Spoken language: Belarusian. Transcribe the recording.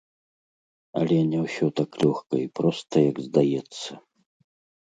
Але не ўсё так лёгка і проста, як здаецца.